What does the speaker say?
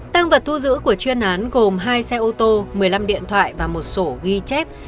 tăng vật thu giữ của chuyên án gồm hai xe ô tô một mươi năm điện thoại và một sổ ghi chép